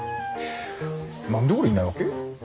何で俺いないわけ？